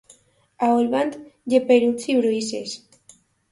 A Olvan, geperuts i bruixes.